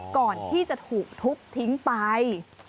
ก่อนที่จะถูกทุบทิ้งไป